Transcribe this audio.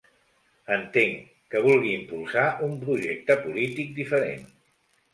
Entenc que vulguin impulsar un projecte polític diferent.